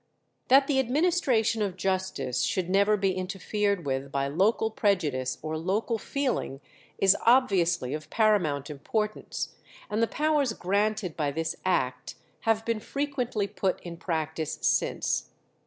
That the administration of justice should never be interfered with by local prejudice or local feeling is obviously of paramount importance, and the powers granted by this Act have been frequently put in practice since.